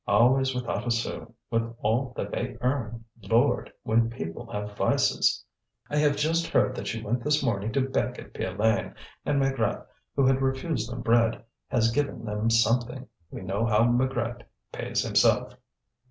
"Always without a sou, with all that they earn! Lord! when people have vices!" "I have just heard that she went this morning to beg at Piolaine, and Maigrat, who had refused them bread, has given them something. We know how Maigrat pays himself!"